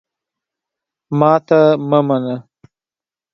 ماته مه منه !